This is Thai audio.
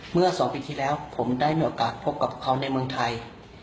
เมื่อ๒ปีที่แล้วผมได้มีโอกาสพบกับเขาในเมืองไทย